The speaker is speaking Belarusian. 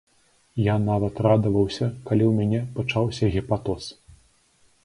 Я нават радаваўся, калі ў мяне пачаўся гепатоз.